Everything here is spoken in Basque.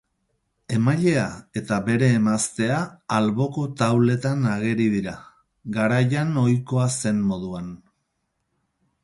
Emailea eta bere emaztea alboko tauletan ageri dira, garaian ohikoa zen moduan.